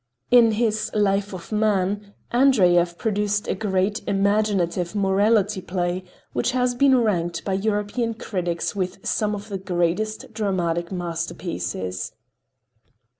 In his "Life of Man" Andreyev produced a great, imaginative "morality" play which has been ranked by European critics with some of the greatest dramatic masterpieces.